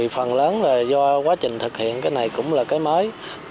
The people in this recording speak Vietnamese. phần lớn là do quá trình thực hiện cái này cũng là cái mới